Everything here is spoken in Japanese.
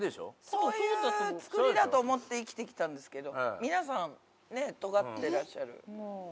そういうつくりだと思って生きてきたんですけど皆さんねぇとがってらっしゃる。